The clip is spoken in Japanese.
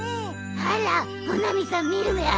あら穂波さん見る目あるじゃない。